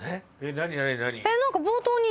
何？